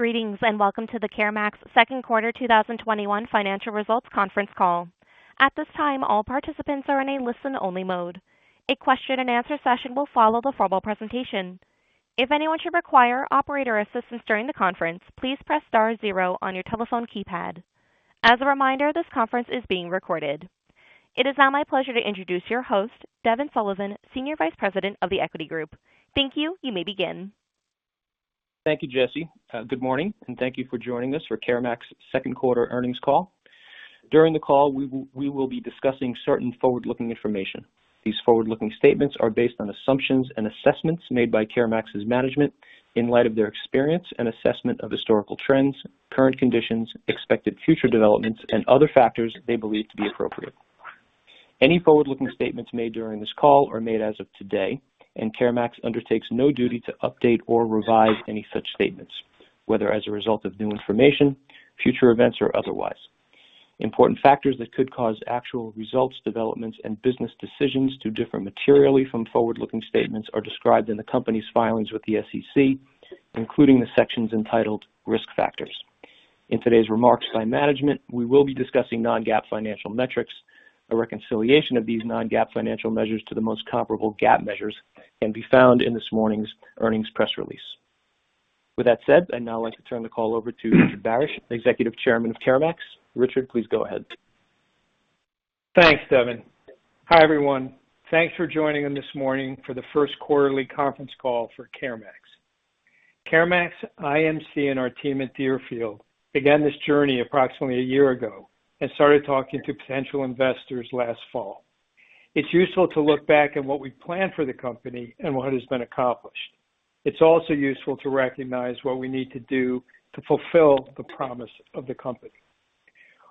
Greetings and welcome to the CareMax Second Quarter 2021 Financial Results Conference Call. At this time all participants are in a listen-only mode. A question and answer session will follow after the presentation. If anyone should require operator assistance during the conference, please press star zero on your telephone keypad. As a reminder this conference is being recorded. It is now my pleasure to introduce your host, Devin Sullivan, Senior Vice President of The Equity Group. Thank you. You may begin. Thank you, Jesse. Good morning, and thank you for joining us for CareMax second quarter earnings call. During the call, we will be discussing certain forward-looking information. These forward-looking statements are based on assumptions and assessments made by CareMax's management in light of their experience and assessment of historical trends, current conditions, expected future developments, and other factors they believe to be appropriate. Any forward-looking statements made during this call are made as of today, and CareMax undertakes no duty to update or revise any such statements, whether as a result of new information, future events, or otherwise. Important factors that could cause actual results, developments, and business decisions to differ materially from forward-looking statements are described in the company's filings with the SEC, including the sections entitled Risk Factors. In today's remarks by management, we will be discussing non-GAAP financial metrics. A reconciliation of these non-GAAP financial measures to the most comparable GAAP measures can be found in this morning's earnings press release. With that said, I'd now like to turn the call over to Richard Barasch, Executive Chairman of CareMax. Richard, please go ahead. Thanks, Devin. Hi, everyone. Thanks for joining in this morning for the first quarterly conference call for CareMax. CareMax, IMC, and our team at Deerfield began this journey approximately a year ago and started talking to potential investors last fall. It is useful to look back at what we planned for the company and what has been accomplished. It is also useful to recognize what we need to do to fulfill the promise of the company.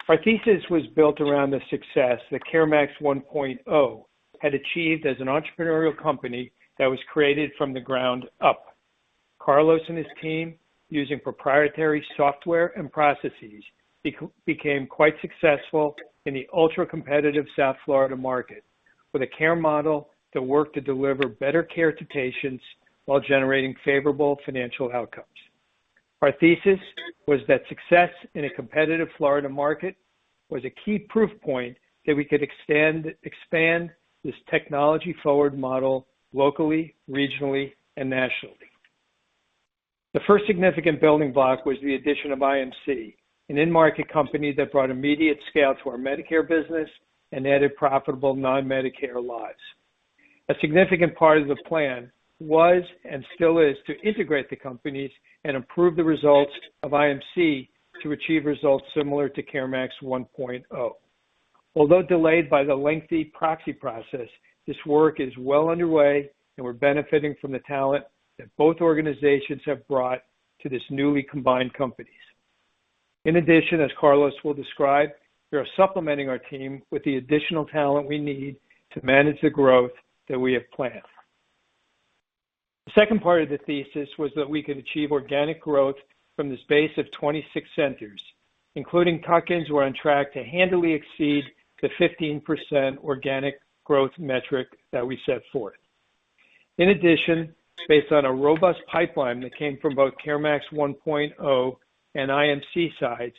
Our thesis was built around the success that CareMax 1.0 had achieved as an entrepreneurial company that was created from the ground up. Carlos and his team, using proprietary software and processes, became quite successful in the ultra-competitive South Florida market with a care model that worked to deliver better care to patients while generating favorable financial outcomes. Our thesis was that success in a competitive Florida market was a key proof point that we could expand this technology-forward model locally, regionally, and nationally. The first significant building block was the addition of IMC, an in-market company that brought immediate scale to our Medicare business and added profitable non-Medicare lives. A significant part of the plan was and still is to integrate the companies and improve the results of IMC to achieve results similar to CareMax 1.0. Although delayed by the lengthy proxy process, this work is well underway, and we're benefiting from the talent that both organizations have brought to this newly combined companies. In addition, as Carlos will describe, we are supplementing our team with the additional talent we need to manage the growth that we have planned. The second part of the thesis was that we could achieve organic growth from this base of 26 centers, including tuck-ins, we're on track to handily exceed the 15% organic growth metric that we set forth. In addition, based on a robust pipeline that came from both CareMax 1.0 and IMC sides,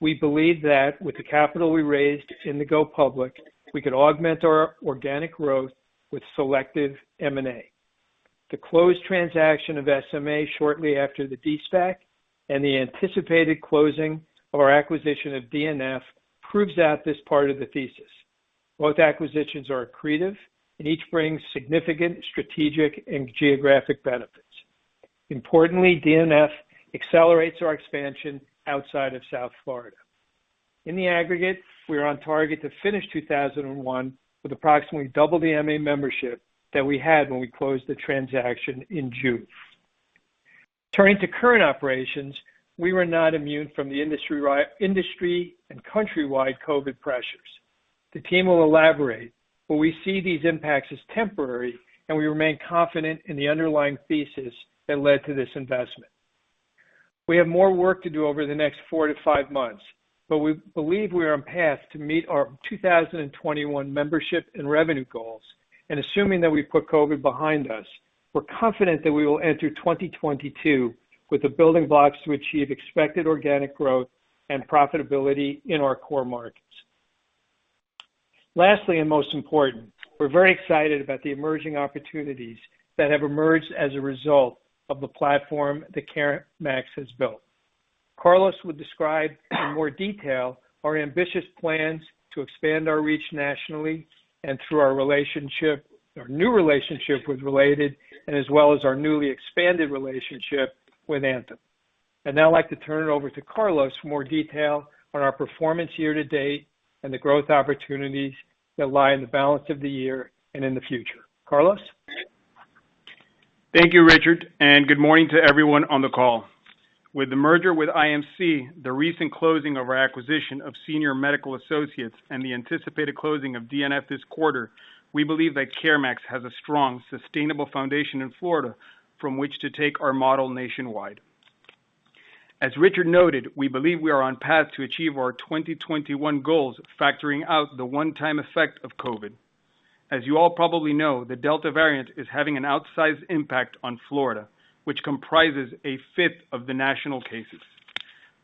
we believe that with the capital we raised in the go public, we could augment our organic growth with selective M&A. The closed transaction of SMA shortly after the de-SPAC and the anticipated closing of our acquisition of DNF proves out this part of the thesis. Both acquisitions are accretive, and each brings significant strategic and geographic benefits. Importantly, DNF accelerates our expansion outside of South Florida. In the aggregate, we are on target to finish 2021 with approximately double the MA membership that we had when we closed the transaction in June. Turning to current operations, we were not immune from the industry and countrywide COVID pressures. The team will elaborate, but we see these impacts as temporary, and we remain confident in the underlying thesis that led to this investment. We have more work to do over the next four to five months, but we believe we are on path to meet our 2021 membership and revenue goals. Assuming that we've put COVID behind us, we're confident that we will enter 2022 with the building blocks to achieve expected organic growth and profitability in our core markets. Lastly, most important, we're very excited about the emerging opportunities that have emerged as a result of the platform that CareMax has built. Carlos will describe in more detail our ambitious plans to expand our reach nationally and through our relationship, our new relationship with Related and as well as our newly expanded relationship with Anthem. I'd now like to turn it over to Carlos for more detail on our performance year to date and the growth opportunities that lie in the balance of the year and in the future. Carlos? Thank you, Richard, and good morning to everyone on the call. With the merger with IMC, the recent closing of our acquisition of Senior Medical Associates and the anticipated closing of DNF this quarter, we believe that CareMax has a strong, sustainable foundation in Florida from which to take our model nationwide. As Richard noted, we believe we are on path to achieve our 2021 goals, factoring out the one-time effect of COVID. As you all probably know, the Delta variant is having an outsized impact on Florida, which comprises a fifth of the national cases.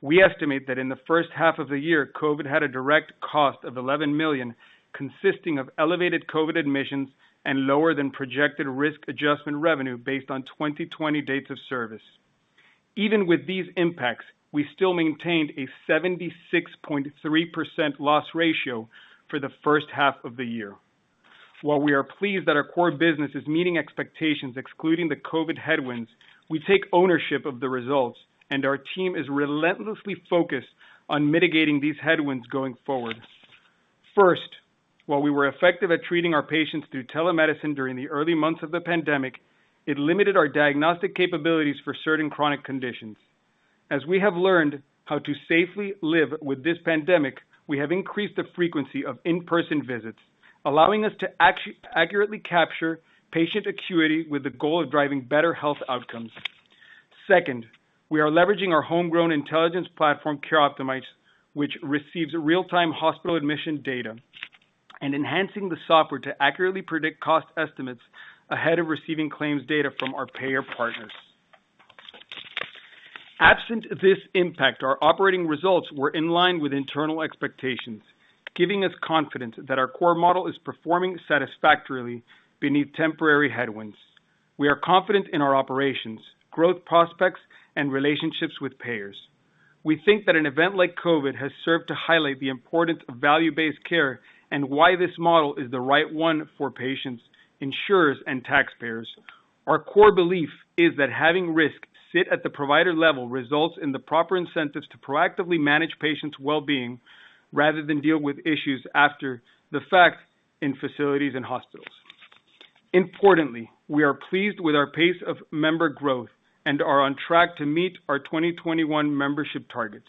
We estimate that in the first half of the year, COVID had a direct cost of $11 million, consisting of elevated COVID admissions and lower than projected risk adjustment revenue based on 2020 dates of service. Even with these impacts, we still maintained a 76.3% loss ratio for the first half of the year. While we are pleased that our core business is meeting expectations excluding the COVID headwinds, we take ownership of the results, and our team is relentlessly focused on mitigating these headwinds going forward. First, while we were effective at treating our patients through telemedicine during the early months of the pandemic, it limited our diagnostic capabilities for certain chronic conditions. As we have learned how to safely live with this pandemic, we have increased the frequency of in-person visits, allowing us to accurately capture patient acuity with the goal of driving better health outcomes. Second, we are leveraging our homegrown intelligence platform, CareOptimize, which receives real-time hospital admission data, and enhancing the software to accurately predict cost estimates ahead of receiving claims data from our payer partners. Absent this impact, our operating results were in line with internal expectations, giving us confidence that our core model is performing satisfactorily beneath temporary headwinds. We are confident in our operations, growth prospects, and relationships with payers. We think that an event like COVID has served to highlight the importance of value-based care and why this model is the right one for patients, insurers, and taxpayers. Our core belief is that having risk sit at the provider level results in the proper incentives to proactively manage patients' wellbeing, rather than deal with issues after the fact in facilities and hospitals. Importantly, we are pleased with our pace of member growth and are on track to meet our 2021 membership targets.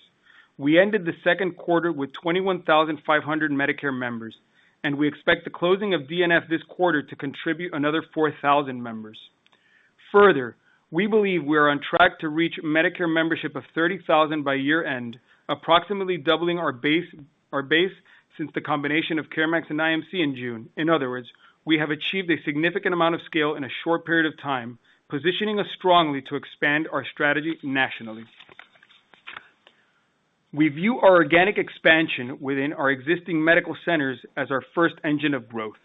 We ended the second quarter with 21,500 Medicare members, and we expect the closing of DNF this quarter to contribute another 4,000 members. Further, we believe we are on track to reach Medicare membership of 30,000 by year-end, approximately doubling our base since the combination of CareMax and IMC in June. In other words, we have achieved a significant amount of scale in a short period of time, positioning us strongly to expand our strategy nationally. We view our organic expansion within our existing medical centers as our first engine of growth.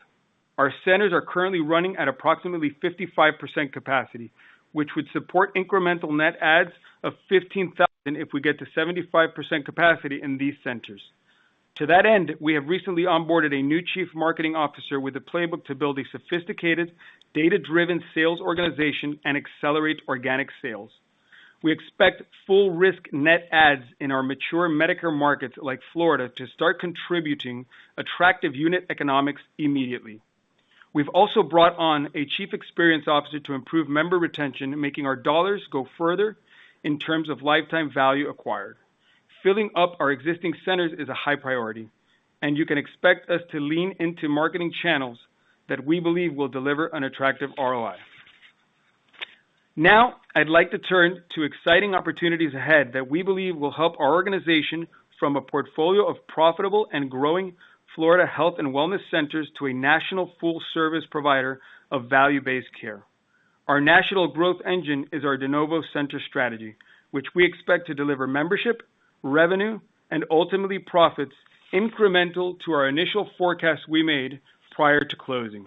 Our centers are currently running at approximately 55% capacity, which would support incremental net adds of 15,000 if we get to 75% capacity in these centers. To that end, we have recently onboarded a new chief marketing officer with a playbook to build a sophisticated, data-driven sales organization and accelerate organic sales. We expect full risk net adds in our mature Medicare markets like Florida to start contributing attractive unit economics immediately. We've also brought on a chief experience officer to improve member retention, making our dollars go further in terms of lifetime value acquired. Filling up our existing centers is a high priority, and you can expect us to lean into marketing channels that we believe will deliver an attractive ROI. I'd like to turn to exciting opportunities ahead that we believe will help our organization from a portfolio of profitable and growing Florida health and wellness centers to a national full-service provider of value-based care. Our national growth engine is our de novo center strategy, which we expect to deliver membership, revenue, and ultimately profits incremental to our initial forecast we made prior to closing.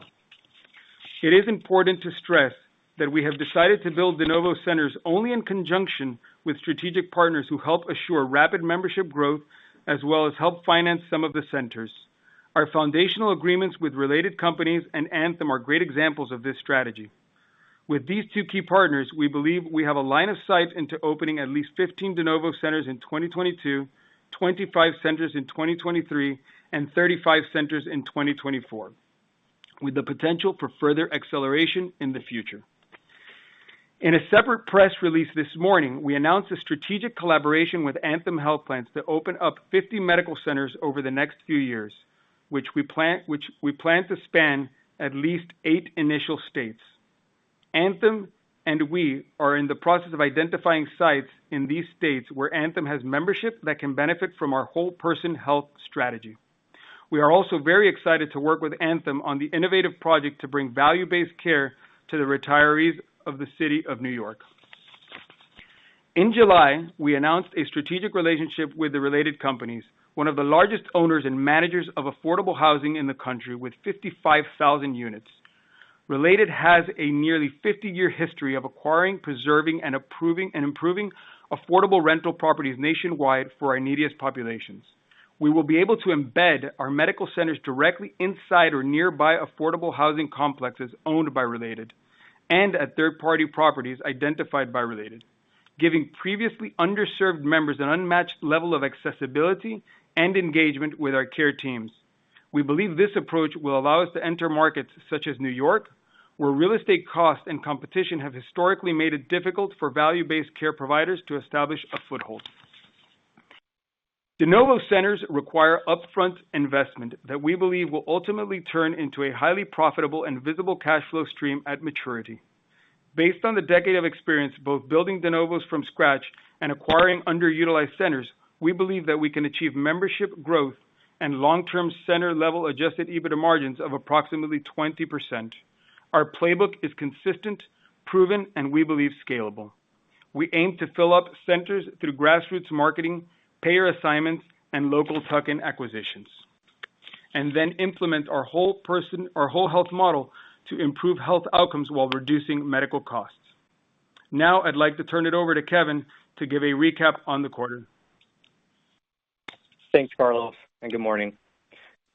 It is important to stress that we have decided to build de novo centers only in conjunction with strategic partners who help assure rapid membership growth, as well as help finance some of the centers. Our foundational agreements with Related Companies and Anthem are great examples of this strategy. With these two key partners, we believe we have a line of sight into opening at least 15 de novo centers in 2022, 25 centers in 2023, and 35 centers in 2024, with the potential for further acceleration in the future. In a separate press release this morning, we announced a strategic collaboration with Anthem Health Plans to open up 50 medical centers over the next few years, which we plan to span at least eight initial states. Anthem and we are in the process of identifying sites in these states where Anthem has membership that can benefit from our whole-person health strategy. We are also very excited to work with Anthem on the innovative project to bring value-based care to the retirees of the city of New York. In July, we announced a strategic relationship with the Related Companies, one of the largest owners and managers of affordable housing in the country, with 55,000 units. Related has a nearly 50-year history of acquiring, preserving, and improving affordable rental properties nationwide for our neediest populations. We will be able to embed our medical centers directly inside or nearby affordable housing complexes owned by Related, and at third-party properties identified by Related, giving previously underserved members an unmatched level of accessibility and engagement with our care teams. We believe this approach will allow us to enter markets such as New York, where real estate costs and competition have historically made it difficult for value-based care providers to establish a foothold. De novo centers require upfront investment that we believe will ultimately turn into a highly profitable and visible cash flow stream at maturity. Based on the decade of experience, both building de novos from scratch and acquiring underutilized centers, we believe that we can achieve membership growth and long-term center level adjusted EBITDA margins of approximately 20%. Our playbook is consistent, proven, and we believe scalable. We aim to fill up centers through grassroots marketing, payer assignments, and local tuck-in acquisitions, and then implement our whole health model to improve health outcomes while reducing medical costs. Now, I'd like to turn it over to Kevin to give a recap on the quarter. Thanks, Carlos, and good morning.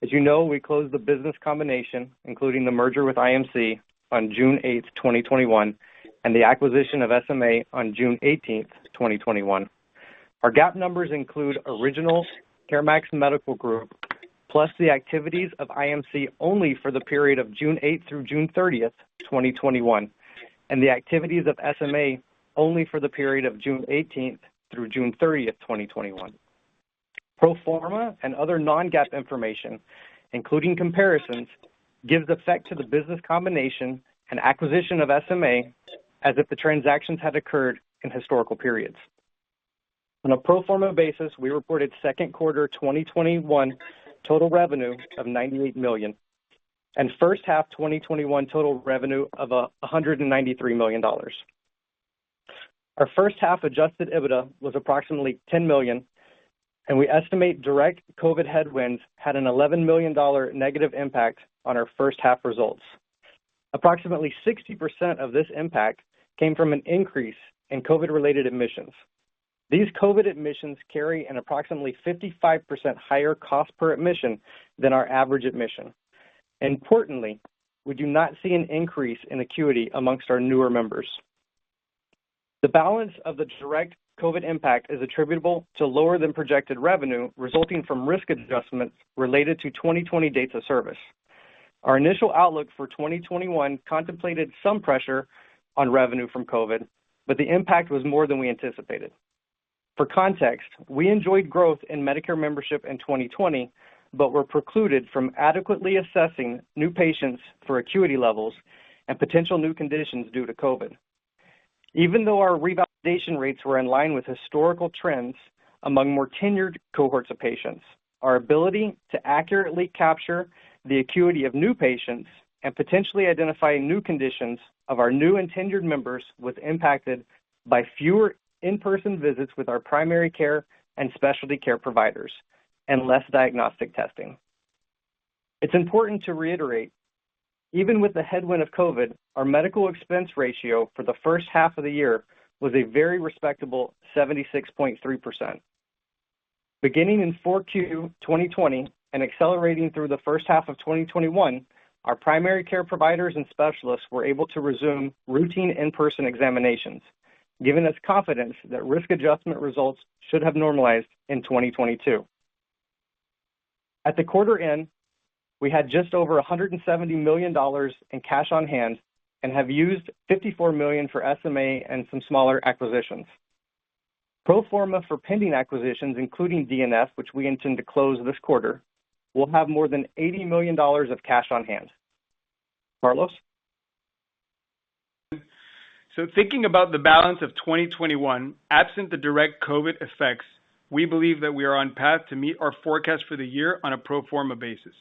As you know, we closed the business combination, including the merger with IMC on June 8th, 2021, and the acquisition of SMA on June 18th, 2021. Our GAAP numbers include originals, CareMax Medical Group, plus the activities of IMC only for the period of June 8th through June 30th, 2021, and the activities of SMA, only for the period of June 18th through June 30th, 2021. Pro forma and other non-GAAP information, including comparisons, gives effect to the business combination and acquisition of SMA as if the transactions had occurred in historical periods. On a pro forma basis, we reported second quarter 2021 total revenue of $98 million, and first half 2021 total revenue of $193 million. Our first half adjusted EBITDA was approximately $10 million, and we estimate direct COVID headwinds had an $11 million negative impact on our first half results. Approximately 60% of this impact came from an increase in COVID-related admissions. These COVID admissions carry an approximately 55% higher cost per admission than our average admission. Importantly, we do not see an increase in acuity amongst our newer members. The balance of the direct COVID impact is attributable to lower than projected revenue resulting from risk adjustment related to 2020 dates of service. Our initial outlook for 2021 contemplated some pressure on revenue from COVID, but the impact was more than we anticipated. For context, we enjoyed growth in Medicare membership in 2020, but were precluded from adequately assessing new patients for acuity levels and potential new conditions due to COVID. Even though our revalidation rates were in line with historical trends among more tenured cohorts of patients, our ability to accurately capture the acuity of new patients and potentially identifying new conditions of our new and tenured members was impacted by fewer in-person visits with our primary care and specialty care providers, and less diagnostic testing. It's important to reiterate, even with the headwind of COVID, our medical expense ratio for the first half of the year was a very respectable 76.3%. Beginning in 4Q 2020 and accelerating through the first half of 2021, our primary care providers and specialists were able to resume routine in-person examinations, giving us confidence that risk adjustment results should have normalized in 2022. At the quarter end, we had just over $170 million in cash on hand and have used $54 million for SMA and some smaller acquisitions. Pro forma for pending acquisitions, including DNF, which we intend to close this quarter, we'll have more than $80 million of cash on hand. Carlos. Thinking about the balance of 2021, absent the direct COVID effects, we believe that we are on path to meet our forecast for the year on a pro forma basis.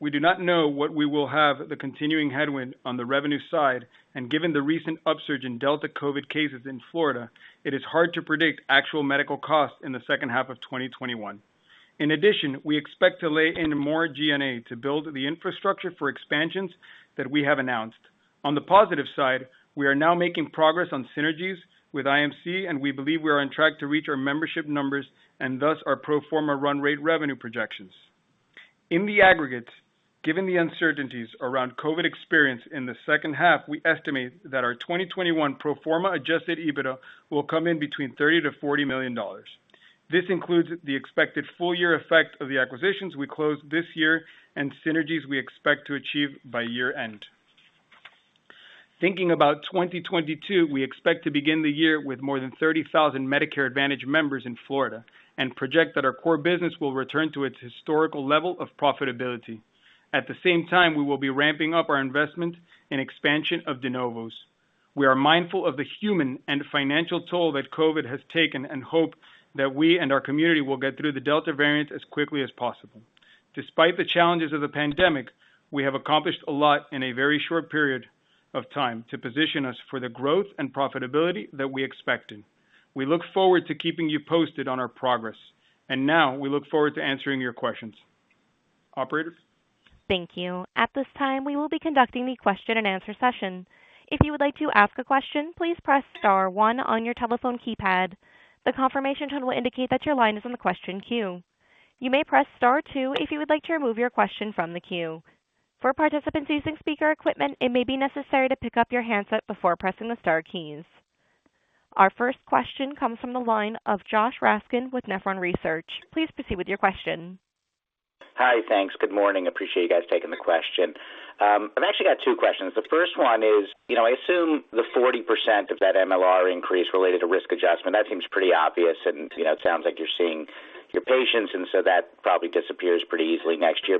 We do not know what we will have the continuing headwind on the revenue side, and given the recent upsurge in Delta COVID cases in Florida, it is hard to predict actual medical costs in the second half of 2021. In addition, we expect to lay in more G&A to build the infrastructure for expansions that we have announced. On the positive side, we are now making progress on synergies with IMC, and we believe we are on track to reach our membership numbers, and thus our pro forma run rate revenue projections. In the aggregates, given the uncertainties around COVID experience in the second half, we estimate that our 2021 pro forma adjusted EBITDA will come in between $30 million-$40 million. This includes the expected full year effect of the acquisitions we close this year and synergies we expect to achieve by year-end. Thinking about 2022, we expect to begin the year with more than 30,000 Medicare Advantage members in Florida, and project that our core business will return to its historical level of profitability. At the same time, we will be ramping up our investment and expansion of de novos. We are mindful of the human and financial toll that COVID has taken and hope that we and our community will get through the Delta variant as quickly as possible. Despite the challenges of the pandemic, we have accomplished a lot in a very short period of time to position us for the growth and profitability that we expected. We look forward to keeping you posted on our progress. Now we look forward to answering your questions. Operator? Thank you. At this time we will be conducting a question and answer session. If you would like to ask a question, please press star one on your telephone keypad. A confirmation tone will indicate that your line is in the question queue. You may press star two if you would like to remove your question from the queue. For participants using speaker equipment, it may be necessary to pick up your handset before pressing the star keys. Our first question comes from the line of Josh Raskin with Nephron Research. Please proceed with your question. Hi, thanks. Good morning. Appreciate you guys taking the question. I've actually got two questions. The first one is, I assume the 40% of that MLR increase related to risk adjustment, that seems pretty obvious, and it sounds like you're seeing your patients, and so that probably disappears pretty easily next year.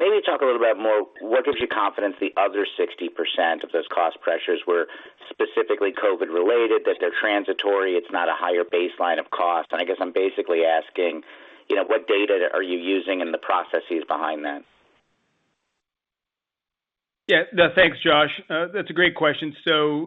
Maybe talk a little bit more, what gives you confidence the other 60% of those cost pressures were specifically COVID related, that they're transitory, it's not a higher baseline of cost? I guess I'm basically asking, what data are you using and the processes behind that? Yeah. No, thanks, Josh. That's a great question.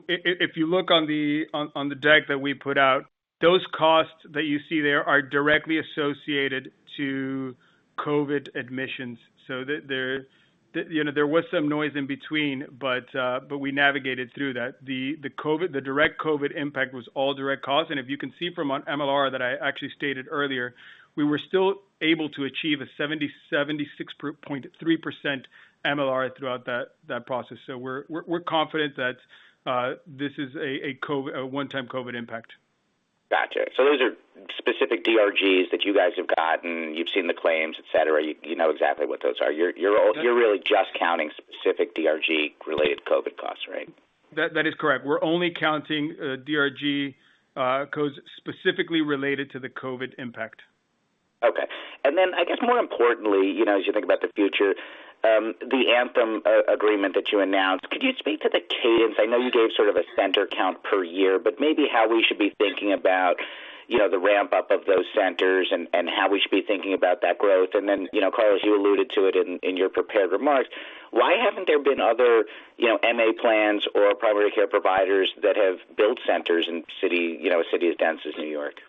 If you look on the deck that we put out, those costs that you see there are directly associated to COVID admissions. There was some noise in between, but we navigated through that. The direct COVID impact was all direct costs, and if you can see from our MLR that I actually stated earlier, we were still able to achieve a 76.3% MLR throughout that process. We're confident that this is a one-time COVID impact. Gotcha. Those are specific DRGs that you guys have gotten, you've seen the claims, et cetera. You know exactly what those are. Yeah. You're really just counting specific DRG related COVID costs, right? That is correct. We're only counting DRG, codes specifically related to the COVID impact. Okay. I guess more importantly, as you think about the future, the Anthem agreement that you announced, could you speak to the cadence? I know you gave sort of a center count per year, but maybe how we should be thinking about the ramp-up of those centers and how we should be thinking about that growth. Carlos, you alluded to it in your prepared remarks, why haven't there been other MA plans or primary care providers that have built centers in a city as dense as New York?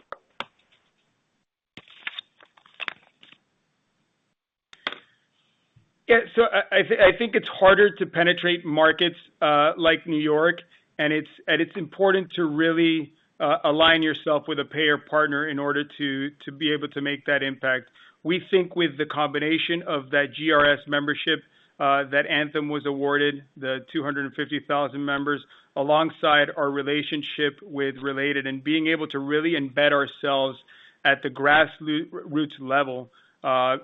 Yeah, I think it's harder to penetrate markets like New York, and it's important to really align yourself with a payer partner in order to be able to make that impact. We think with the combination of that GRS membership, that Anthem was awarded, the 250,000 members, alongside our relationship with Related and being able to really embed ourselves at the grassroots level,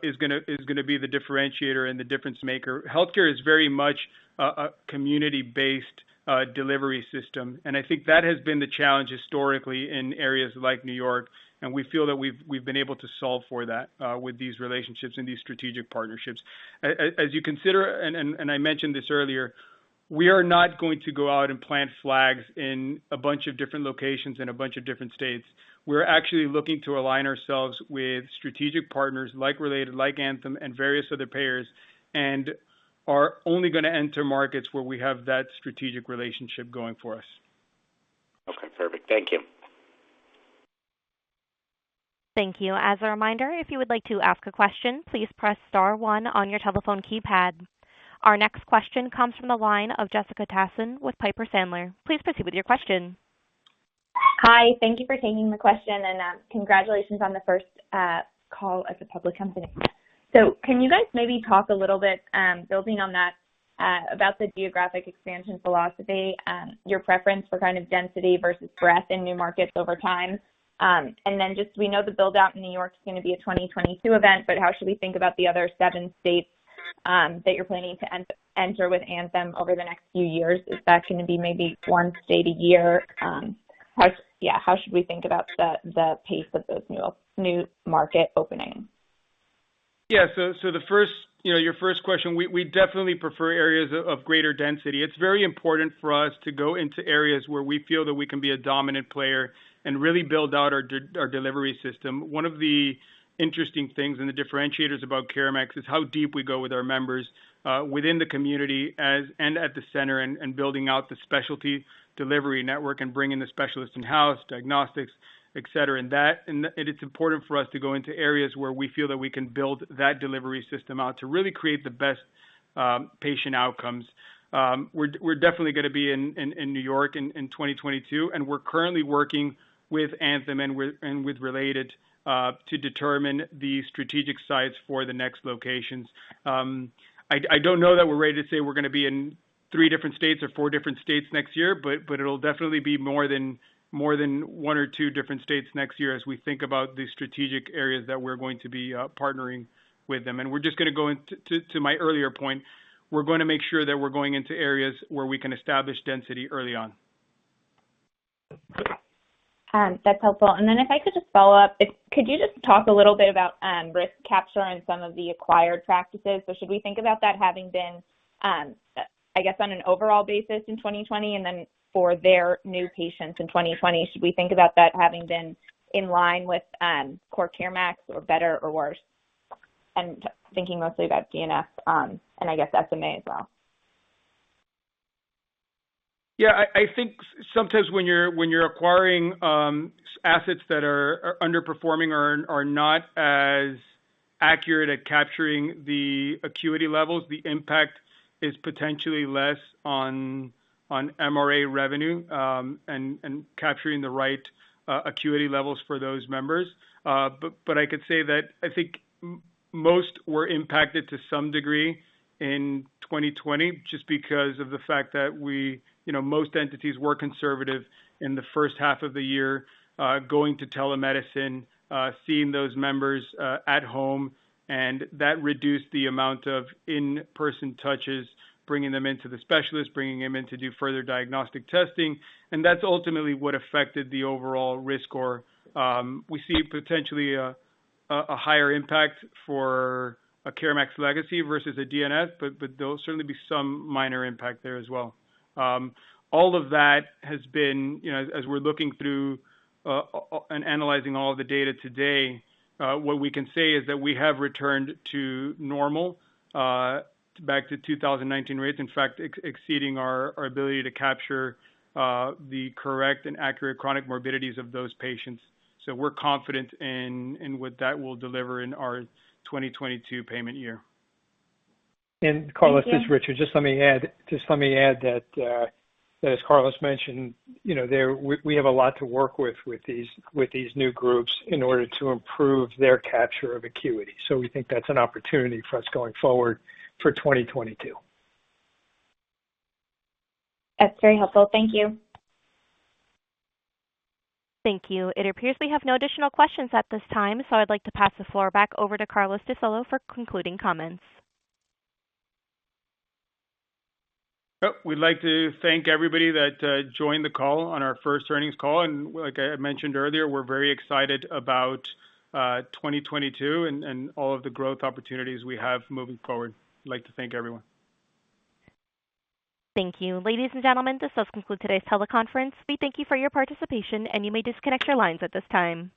is going to be the differentiator and the difference maker. Healthcare is very much a community-based delivery system, and I think that has been the challenge historically in areas like New York, and we feel that we've been able to solve for that, with these relationships and these strategic partnerships. As you consider, and I mentioned this earlier, we are not going to go out and plant flags in a bunch of different locations in a bunch of different states. We're actually looking to align ourselves with strategic partners like Related, like Anthem and various other payers, and are only going to enter markets where we have that strategic relationship going for us. Okay, perfect. Thank you. Thank you. As a reminder, if you would like to ask a question, please press star one on your telephone keypad. Our next question comes from the line of Jessica Tassan with Piper Sandler. Please proceed with your question. Hi, thank you for taking the question, and, congratulations on the first call as a public company. Can you guys maybe talk a little bit, building on that, about the geographic expansion philosophy, your preference for kind of density versus breadth in new markets over time? Just we know the build-out in New York is going to be a 2022 event, but how should we think about the other seven states that you're planning to enter with Anthem over the next few years? Is that going to be maybe one state a year? How should we think about the pace of those new market openings? Yeah. Your first question, we definitely prefer areas of greater density. It's very important for us to go into areas where we feel that we can be a dominant player and really build out our delivery system. One of the interesting things and the differentiators about CareMax is how deep we go with our members, within the community and at the center and building out the specialty delivery network and bringing the specialists in-house, diagnostics, et cetera. It's important for us to go into areas where we feel that we can build that delivery system out to really create the best patient outcomes. We're definitely going to be in New York in 2022, and we're currently working with Anthem and with Related, to determine the strategic sites for the next locations. I don't know that we're ready to say we're going to be in three different states or four different states next year, but it'll definitely be more than one or two different states next year as we think about the strategic areas that we're going to be partnering with them. We're just going to go into my earlier point, we're going to make sure that we're going into areas where we can establish density early on. That's helpful. If I could just follow up, could you just talk a little bit about risk capture and some of the acquired practices? Should we think about that having been, I guess, on an overall basis in 2020, and then for their new patients in 2020, should we think about that having been in line with core CareMax or better or worse? Thinking mostly about DNF, and I guess SMA as well. Yeah, I think sometimes when you're acquiring assets that are underperforming or are not as accurate at capturing the acuity levels, the impact is potentially less on MRA revenue, and capturing the right acuity levels for those members. I could say that I think most were impacted to some degree in 2020, just because of the fact that most entities were conservative in the first half of the year, going to telemedicine, seeing those members at home, and that reduced the amount of in-person touches, bringing them into the specialist, bringing them in to do further diagnostic testing, and that's ultimately what affected the overall risk or, we see potentially a higher impact for a CareMax legacy versus a DNF, but there'll certainly be some minor impact there as well. All of that has been, as we're looking through, and analyzing all of the data today, what we can say is that we have returned to normal, back to 2019 rates, in fact, exceeding our ability to capture the correct and accurate chronic morbidities of those patients. We're confident in what that will deliver in our 2022 payment year. Thank you. Carlos, this is Richard. Just let me add that, as Carlos mentioned, we have a lot to work with these new groups in order to improve their capture of acuity. We think that's an opportunity for us going forward for 2022. That's very helpful. Thank you. Thank you. It appears we have no additional questions at this time. I'd like to pass the floor back over to Carlos de Solo for concluding comments. We'd like to thank everybody that joined the call on our first earnings call, and like I mentioned earlier, we're very excited about 2022 and all of the growth opportunities we have moving forward. We'd like to thank everyone. Thank you. Ladies and gentlemen, this does conclude today's teleconference. We thank you for your participation, and you may disconnect your lines at this time.